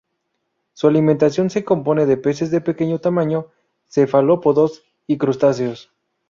Su alimentación se compone de peces de pequeño tamaño, cefalópodos y crustáceos.